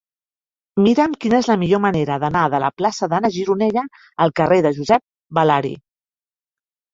Mira'm quina és la millor manera d'anar de la plaça d'Anna Gironella al carrer de Josep Balari.